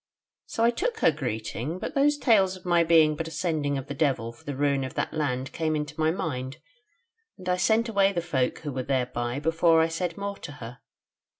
So I took her greeting; but those tales of my being but a sending of the Devil for the ruin of that land came into my mind, and I sent away the folk who were thereby before I said more to her.